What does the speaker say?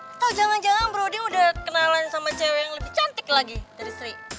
atau jangan jangan brodi udah kenalan sama cewek yang lebih cantik lagi dari sri